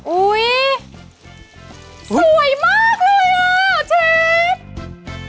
อุ๊ยสวยมากเลยอ่ะเชฟ